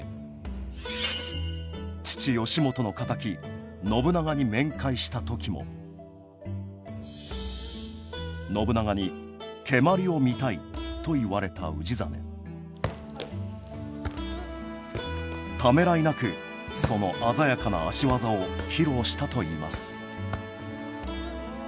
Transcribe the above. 父義元の敵信長に面会した時も信長に「蹴鞠を見たい」と言われた氏真ためらいなくその鮮やかな足技を披露したといいますお！